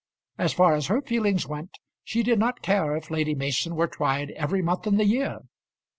As far as her feelings went she did not care if Lady Mason were tried every month in the year!